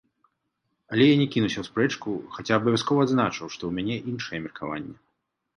Але я не кінуся ў спрэчку, хаця абавязкова адзначу, што ў мяне іншае меркаванне.